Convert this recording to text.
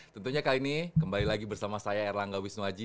tentunya kali ini kembali lagi bersama saya erlangga wisnuwaji